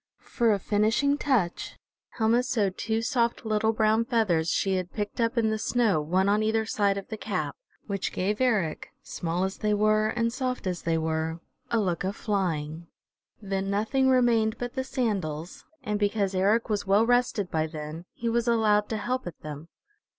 For a finishing touch Helma sewed two soft little brown feathers she had picked up in the snow one on either side of the cap, which gave Eric, small as they were and soft as they were, a look of flying. Then nothing remained but the sandals, and because Eric was well rested by then, he was allowed to help at them.